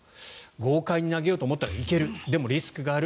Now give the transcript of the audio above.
豪快に投げようと思ったら行けるでも、リスクがある。